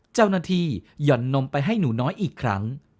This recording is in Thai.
เจ้าหน้าที่หย่อนนมไปให้หนูน้อยอีกครั้ง